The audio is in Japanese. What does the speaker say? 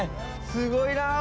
すごいなぁ！